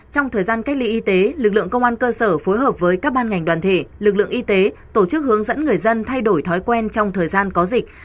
trong thời gian cách ly y tế lực lượng công an cơ sở phối hợp với các ban ngành đoàn thể lực lượng y tế tổ chức hướng dẫn người dân thay đổi thói quen trong thời gian có dịch